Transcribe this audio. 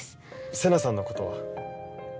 瀬那さんのことは？